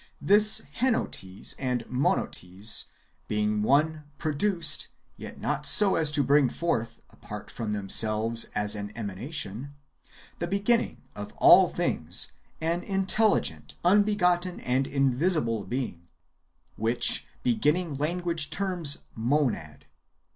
This Henotes and Mo notes, being one, produced, yet not so as to bring forth [apart from themselves, as an emanation] the beginning of all things, an intelligent, unbegotten, and invisible being, wdiich beginning language terms "Monad."